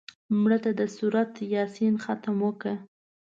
مړه ته د سورت یاسین ختم وکړه